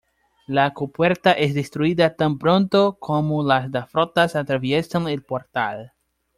La compuerta es destruida tan pronto como las dos flotas atraviesan el portal.